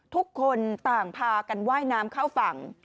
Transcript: ทุกคนต่างพากันว่ายน้ำเข้าฝั่ง